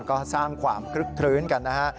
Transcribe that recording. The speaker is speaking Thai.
ก็สร้างความคลึกคลื้นกันนะฮะ